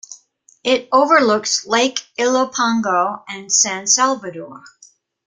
It overlooks Lake Ilopango, and San Salvador.